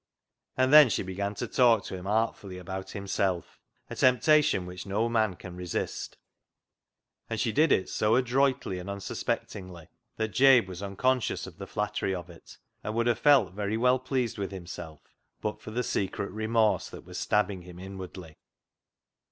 And then she began to talk to him artfully about himself, a temptation which no man can resist, and she did it so adroitly and unsus pectingly that Jabe was unconscious of the flattery of it, and would have felt very well pleased with himself but for the secret remorse that was stabbing him inwardly.